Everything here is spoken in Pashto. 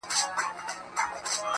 خو هغه ليونۍ وايي_